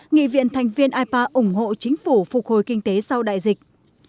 nghị viện thành viên ipa ủng hộ chính phủ phục hồi kinh tế sau đại dịch